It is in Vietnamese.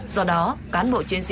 do đó cán bộ chiến sĩ